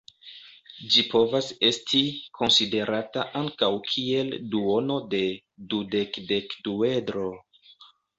Ĝi povas esti konsiderata ankaŭ kiel duono de dudek-dekduedro.